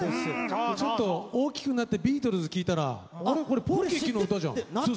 ちょっと大きくなってビートルズ聴いたらこれ『ポンキッキ』の歌じゃん。